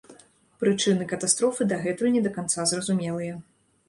Прычыны катастрофы дагэтуль не да канца зразумелыя.